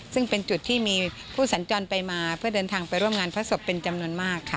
ซึ่งเป็นจุดที่มีผู้สัญจรไปมาเพื่อเดินทางไปร่วมงานพระศพเป็นจำนวนมากค่ะ